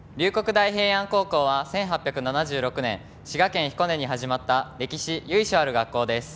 大平安高校は１８７６年滋賀県彦根に始まった歴史・由緒ある学校です。